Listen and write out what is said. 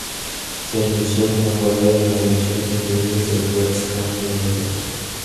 Se inició como jugador en las divisiones inferiores del West Ham United.